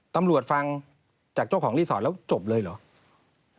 ฟังจากเจ้าของรีสอร์ทแล้วจบเลยเหรอ